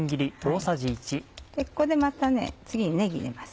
ここでまた次にねぎ入れます。